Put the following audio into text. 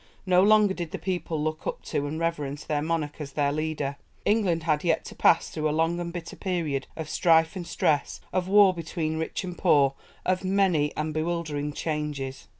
No longer did the people look up to and reverence their monarch as their leader. England had yet to pass through a long and bitter period of 'strife and stress,' of war between rich and poor, of many and bewildering changes.